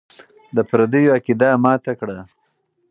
د پردیو عقیده ماته کړه.